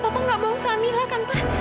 papa gak bohong suami lah kan pak